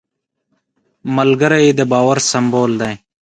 ملګری د باور سمبول دی